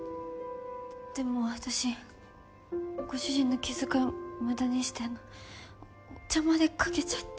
でも私ご主人の気遣いを無駄にしてお茶までかけちゃって。